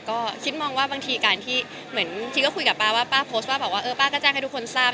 ก็คิดมองว่าบางทีการที่เหมือนคิดก็คุยกับป้าว่าป้าโพสต์ว่าบอกว่าเออป้าก็แจ้งให้ทุกคนทราบ